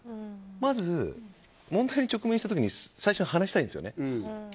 まず問題に直面した時に最初に話したいんですよね。